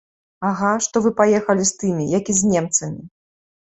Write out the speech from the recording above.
Ага, што вы паехалі з тымі, як і з немцамі.